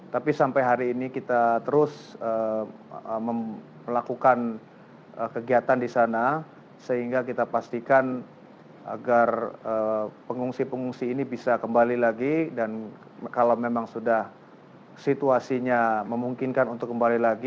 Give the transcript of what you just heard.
tapi sampai hari ini kita terus melakukan kegiatan di sana sehingga kita pastikan agar pengungsi pengungsi ini bisa kembali lagi dan kalau memang sudah situasinya memungkinkan untuk kembali lagi